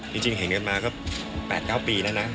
จริงจริงให้เห็นกันมากัประมาทแปดเก้าปีนะนะ